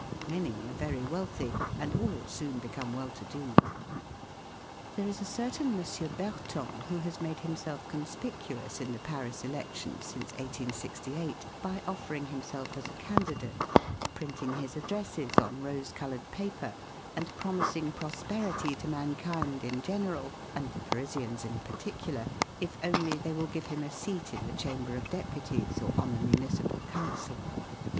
Many are very wealthy, and all soon become well to do. There is a certain M. Berton who has made himself con spicuous in the Paris elections since 1868, by offering him self as a candidate, printing his addresses on rose coloured paper, and promising prosperity to mankind in general, and the Parisians in particular, if only they will give him a seat in the Chamber of Deputies or on the Municipal Council.